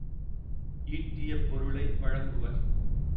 ஈட்டிய பொருளை வழங்குவர்.